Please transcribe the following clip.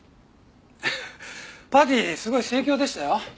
パーティーすごい盛況でしたよ。